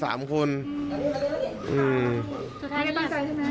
สุดท้ายก็นั่ง